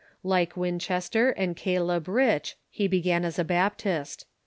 Like Winchester and Caleb Rich, he began as a Baptist.